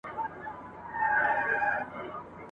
پر هرګام چي شکر باسم له اخلاصه ..